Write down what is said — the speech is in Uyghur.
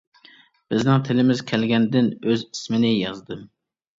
بىزنىڭ تىلىمىز كەلگەنكىن ئۆز ئىسمىنى يازدىم.